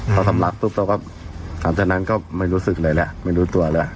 พอสำลักตรงจากนั้นก็ไม่รู้สึกอะไรแหละไม่รู้ตัวเลย